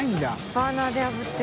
バーナーであぶって。